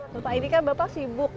bapak ini kan bapak sibuk